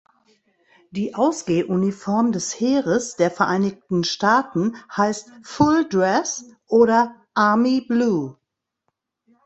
Die Ausgehuniform des Heeres der Vereinigten Staaten heißt "Full Dress" oder "Army Blue".